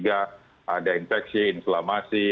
ada infeksi inflamasi